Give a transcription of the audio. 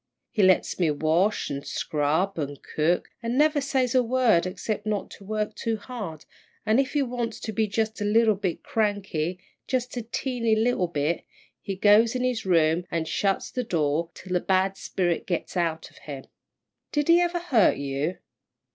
He lets me wash, an' scrub, an' cook, an' never says a word excep' not to work too hard, an' if he wants to be jus' a little bit cranky, jus' a teeny little bit, he goes in his room an' shuts the door till the bad spirit gets out of him." "Did he ever hurt you?"